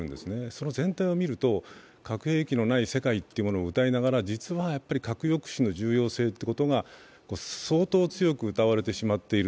その前提を見ると核兵器のない世界をうたいながら実は核抑止の重要性が相当強くうたわれてしまっている。